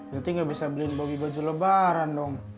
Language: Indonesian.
nanti gak bisa beliin bagi baju lebaran dong